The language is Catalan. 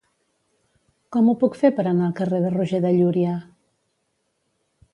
Com ho puc fer per anar al carrer de Roger de Llúria?